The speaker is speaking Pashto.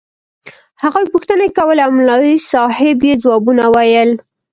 هغوى پوښتنې کولې او مولوي صاحب يې ځوابونه ويل.